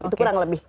oke kurang lebih